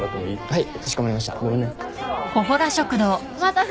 はい。